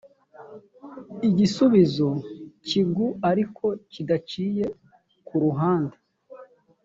igisubizo kigu ariko kidaciye ku ruhande